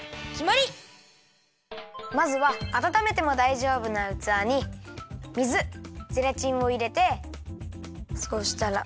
まずはあたためてもだいじょうぶなうつわに水ゼラチンをいれてそしたらまぜるよ！